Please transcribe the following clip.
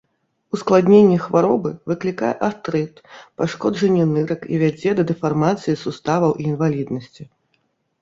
Ускладненне хваробы выклікае артрыт, пашкоджанне нырак і вядзе да дэфармацыі суставаў і інваліднасці.